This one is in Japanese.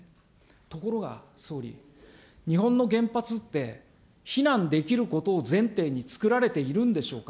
ところが総理、日本の原発って、避難できることを前提につくられているんでしょうか。